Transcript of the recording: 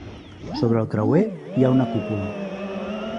Sobre el creuer hi ha una cúpula.